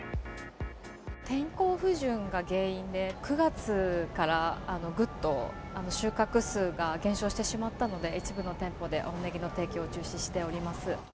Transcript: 天候不順が原因で、９月からぐっと収穫数が減少してしまったので、一部の店舗で青ネギの提供を中止しております。